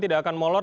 tidak akan molor